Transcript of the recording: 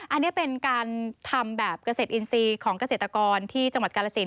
อันนี้เป็นการทำแบบเกษตรอินทรีย์ของเกษตรกรที่จังหวัดกาลสิน